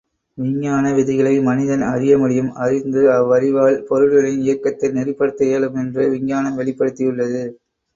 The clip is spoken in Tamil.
விஞ்ஞான விதிகளை மனிதன் அறிய முடியும் அறிந்து அவ்வறிவால் பொருள்களின் இயக்கத்தை நெறிப்படுத்த இயலும் என்று விஞ்ஞானம் வெளிப்படுத்தியுள்ளது.